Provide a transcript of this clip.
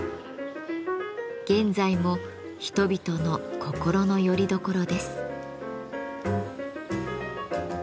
現在も人々の心のよりどころです。